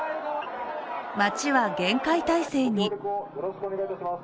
街は厳戒態勢に。